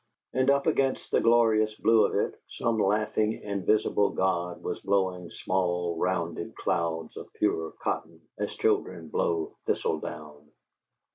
And up against the glorious blue of it, some laughing, invisible god was blowing small, rounded clouds of pure cotton, as children blow thistledown.